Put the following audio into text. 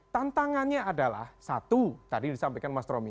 tantangannya adalah satu tadi disampaikan mas romy